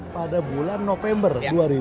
pada bulan november dua ribu dua puluh